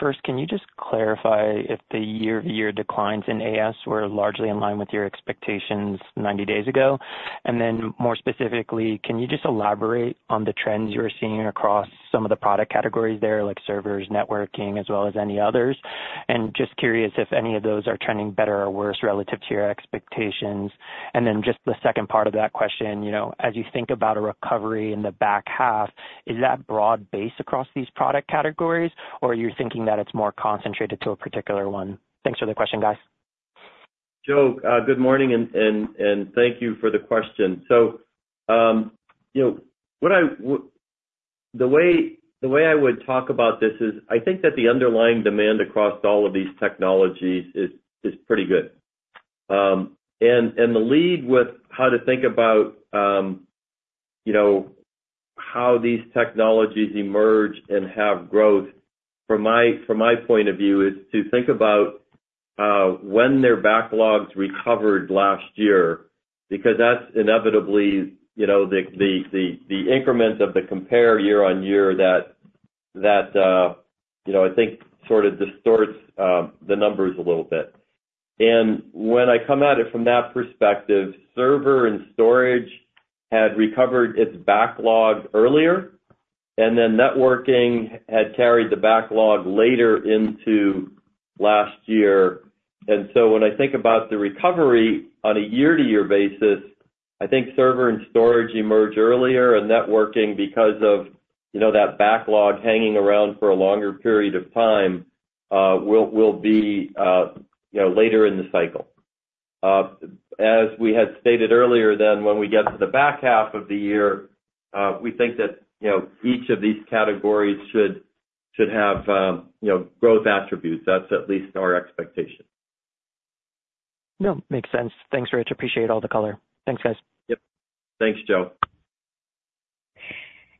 First, can you just clarify if the year-over-year declines in AS were largely in line with your expectations 90 days ago? And then, more specifically, can you just elaborate on the trends you're seeing across some of the product categories there, like servers, networking, as well as any others? And just curious if any of those are trending better or worse relative to your expectations. And then just the second part of that question, you know, as you think about a recovery in the back half, is that broad-based across these product categories, or are you thinking that it's more concentrated to a particular one? Thanks for the question, guys. Joe, good morning and thank you for the question. So, you know, the way, the way I would talk about this is, I think that the underlying demand across all of these technologies is pretty good. And the lead with how to think about, you know, how these technologies emerge and have growth, from my, from my point of view, is to think about when their backlogs recovered last year, because that's inevitably, you know, the increments of the compare year-over-year that you know, I think sort of distorts the numbers a little bit. And when I come at it from that perspective, server and storage had recovered its backlog earlier, and then networking had carried the backlog later into last year. So when I think about the recovery on a year-to-year basis, I think server and storage emerge earlier, and networking, because of, you know, that backlog hanging around for a longer period of time, will be, you know, later in the cycle. As we had stated earlier, then when we get to the back half of the year, we think that, you know, each of these categories should have, you know, growth attributes. That's at least our expectation. No, makes sense. Thanks, Rich. Appreciate all the color. Thanks, guys. Yep. Thanks, Joe.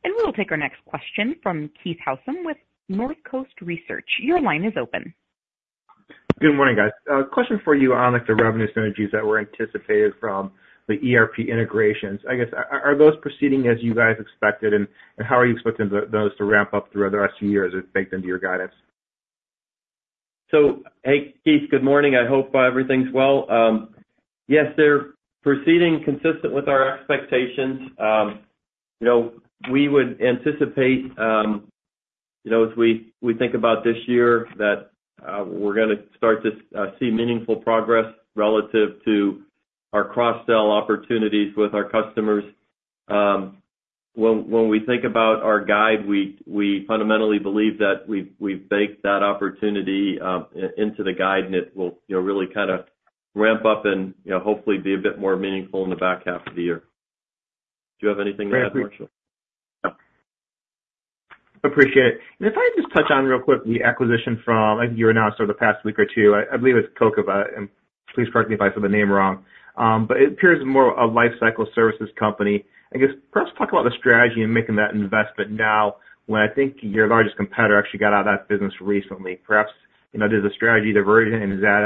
We'll take our next question from Keith Housum with Northcoast Research. Your line is open. Good morning, guys. Question for you on the revenue synergies that were anticipated from the ERP integrations. I guess, are those proceeding as you guys expected? And how are you expecting those to ramp up through the rest of the year as it baked into your guidance? So, hey, Keith, good morning. I hope everything's well. Yes, they're proceeding consistent with our expectations. You know, we would anticipate, you know, as we, we think about this year, that, we're gonna start to see meaningful progress relative to our cross-sell opportunities with our customers. When, when we think about our guide, we, we fundamentally believe that we've, we've baked that opportunity, into the guide, and it will, you know, really kind of ramp up and, you know, hopefully be a bit more meaningful in the back half of the year. Do you have anything to add, Marshall? Appreciate it. And if I just touch on real quick, the acquisition from, I think you announced over the past week or two, I believe it's Cokeva, and please correct me if I said the name wrong. But it appears more a life cycle services company. I guess, perhaps talk about the strategy in making that investment now, when I think your largest competitor actually got out of that business recently. Perhaps, you know, there's a strategy diversion, and is that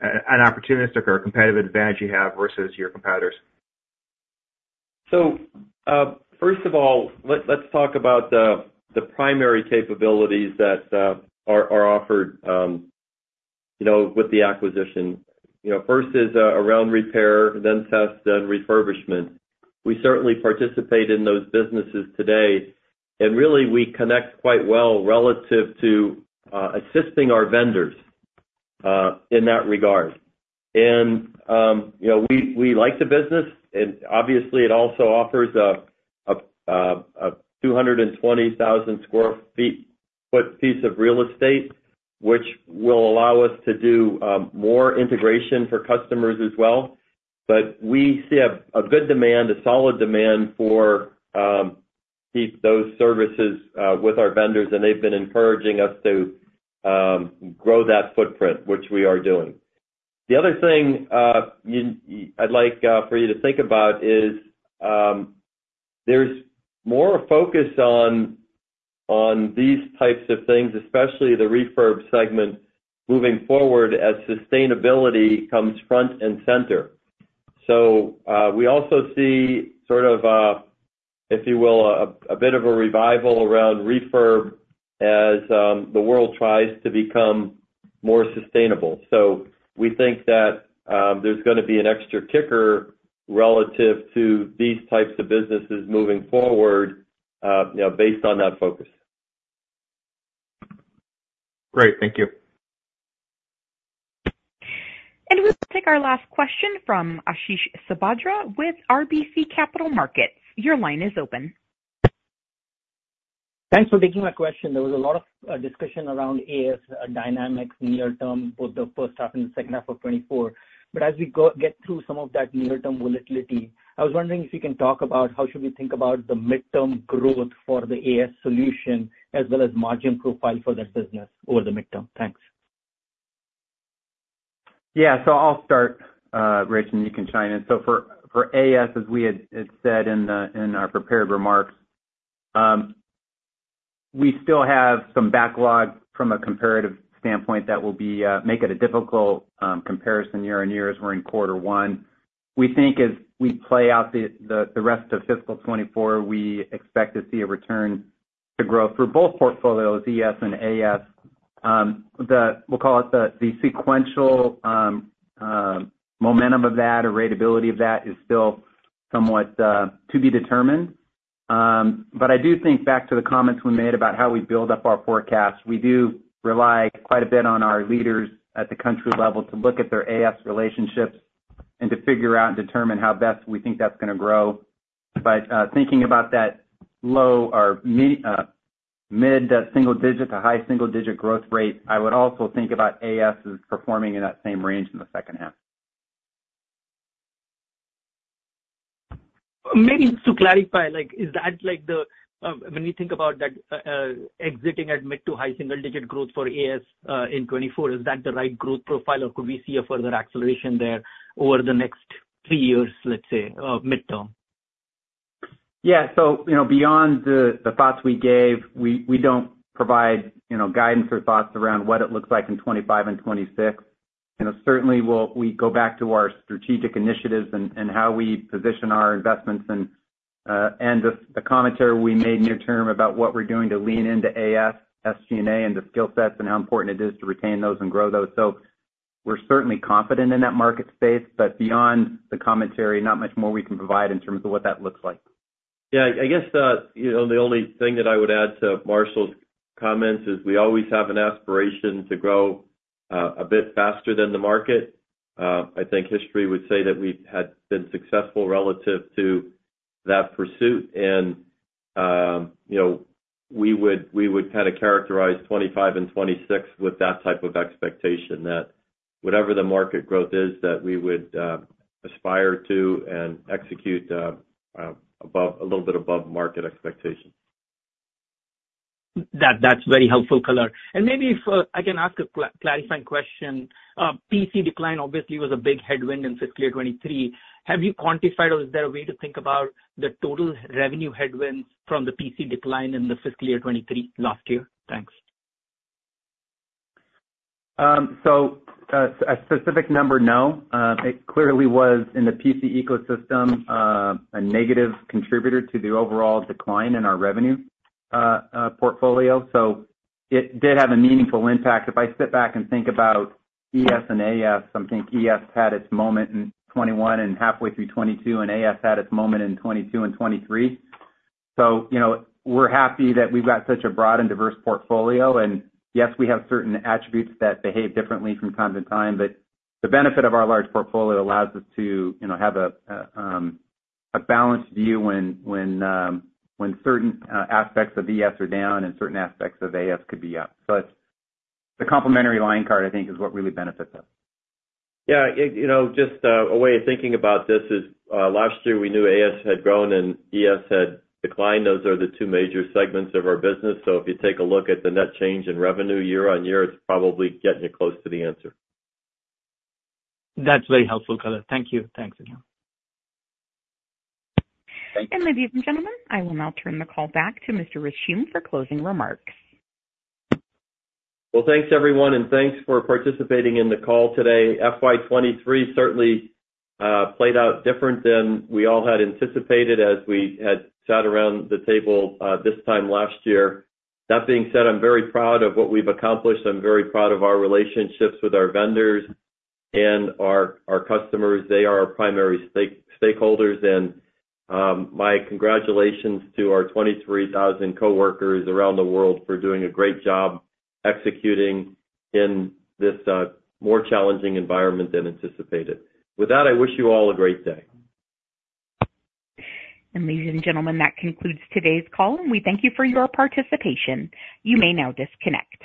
a, an opportunistic or a competitive advantage you have versus your competitors? So, first of all, let's talk about the primary capabilities that are offered, you know, with the acquisition. You know, first is around repair, then test, then refurbishment. We certainly participate in those businesses today, and really, we connect quite well relative to assisting our vendors in that regard. And, you know, we like the business, and obviously it also offers a 220,000 sq ft piece of real estate, which will allow us to do more integration for customers as well. But we see a good demand, a solid demand for keep those services with our vendors, and they've been encouraging us to grow that footprint, which we are doing. The other thing, I'd like for you to think about is, there's more focus on, on these types of things, especially the refurb segment, moving forward as sustainability comes front and center. So, we also see sort of, if you will, a, a bit of a revival around refurb as, the world tries to become more sustainable. So we think that, there's gonna be an extra kicker relative to these types of businesses moving forward, you know, based on that focus. Great. Thank you. We'll take our last question from Ashish Sabadra with RBC Capital Markets. Your line is open. Thanks for taking my question. There was a lot of discussion around AS dynamics near term, both the first half and the second half of 2024. But as we get through some of that near-term volatility, I was wondering if you can talk about how should we think about the midterm growth for the AS solution, as well as margin profile for that business over the midterm? Thanks. Yeah. So I'll start, Rich, and you can chime in. So for AS, as we had said in the in our prepared remarks, we still have some backlog from a comparative standpoint that will make it a difficult comparison year-over-year as we're in quarter one. We think as we play out the rest of fiscal 2024, we expect to see a return to growth for both portfolios, ES and AS. We'll call it the sequential momentum of that, or ratability of that, is still somewhat to be determined. But I do think back to the comments we made about how we build up our forecast. We do rely quite a bit on our leaders at the country level to look at their AS relationships and to figure out and determine how best we think that's gonna grow. But, thinking about that low or mid-single digit to high single-digit growth rate, I would also think about AS as performing in that same range in the second half. Maybe just to clarify, like, is that When you think about that, exiting at mid- to high-single-digit growth for AS in 2024, is that the right growth profile, or could we see a further acceleration there over the next three years, let's say, midterm? Yeah. So, you know, beyond the thoughts we gave, we don't provide, you know, guidance or thoughts around what it looks like in 2025 and 2026. You know, certainly, we'll go back to our strategic initiatives and how we position our investments and the commentary we made near term about what we're doing to lean into AS, SG&A, and the skill sets, and how important it is to retain those and grow those. So we're certainly confident in that market space, but beyond the commentary, not much more we can provide in terms of what that looks like. Yeah, I guess, you know, the only thing that I would add to Marshall's comments is we always have an aspiration to grow a bit faster than the market. I think history would say that we had been successful relative to that pursuit, and, you know, we would kind of characterize 2025 and 2026 with that type of expectation, that whatever the market growth is, that we would aspire to and execute a little bit above market expectation. That, that's very helpful color. And maybe if I can ask a clarifying question. PC decline obviously was a big headwind in fiscal year 2023. Have you quantified or is there a way to think about the total revenue headwinds from the PC decline in the fiscal year 2023, last year? Thanks. So, a specific number, no. It clearly was, in the PC ecosystem, a negative contributor to the overall decline in our revenue portfolio, so it did have a meaningful impact. If I sit back and think about ES and AS, I think ES had its moment in 2021 and halfway through 2022, and AS had its moment in 2022 and 2023. So, you know, we're happy that we've got such a broad and diverse portfolio. And yes, we have certain attributes that behave differently from time to time, but the benefit of our large portfolio allows us to, you know, have a balanced view when certain aspects of ES are down and certain aspects of AS could be up. So it's the complementary line card, I think, is what really benefits us. Yeah, You know, just a way of thinking about this is, last year, we knew AS had grown and ES had declined. Those are the two major segments of our business. So if you take a look at the net change in revenue year-on-year, it's probably getting you close to the answer. That's very helpful, Caleb. Thank you. Thanks again. Ladies and gentlemen, I will now turn the call back to Mr. Rich Hume for closing remarks. Well, thanks, everyone, and thanks for participating in the call today. FY 2023 certainly played out different than we all had anticipated as we had sat around the table this time last year. That being said, I'm very proud of what we've accomplished. I'm very proud of our relationships with our vendors and our customers. They are our primary stakeholders, and my congratulations to our 23,000 coworkers around the world for doing a great job executing in this more challenging environment than anticipated. With that, I wish you all a great day. Ladies and gentlemen, that concludes today's call, and we thank you for your participation. You may now disconnect.